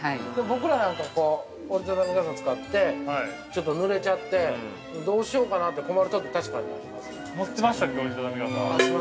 ◆僕らなんか、折り畳み傘使ってちょっとぬれちゃってどうしようかなって困るとき確かにありますもん。